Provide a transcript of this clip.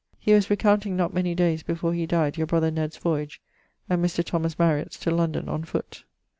He was recounting not many dayes before he dyed your brother Ned's voyage and Mr. Mariett's to London on foote.